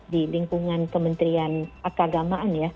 di lingkungan kementerian agama